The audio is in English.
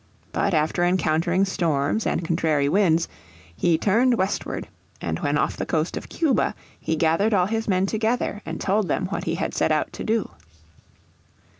But after encountering storms and contrary winds he turned westward, and when off the coast of Cuba he gathered all his men together and told them what he had set out to do.